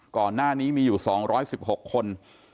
ก่อนหน้านี้มีอยู่สองร้อยสิบหกคน